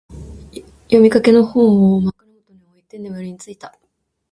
読みかけの本を、枕元に置いて眠りについた。